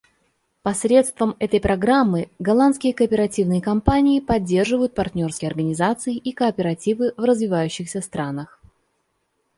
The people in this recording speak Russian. Посредством этой программы голландские кооперативные компании поддерживают партнерские организации и кооперативы в развивающихся странах.